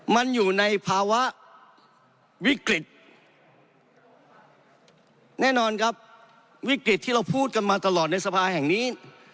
มันอยู่ในภาวะวิกฤตแน่นอนครับวิกฤตที่เราพูดกันมาตลอดในสภาแห่งนี้